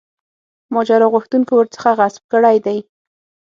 ماجرا غوښتونکو ورڅخه غصب کړی دی.